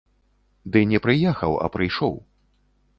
Ды не прыехаў, а прыйшоў.